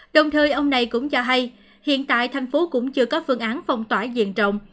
đồng thời ông này cũng cho hay hiện tại thành phố cũng chưa có phương án phong tỏa diện rộng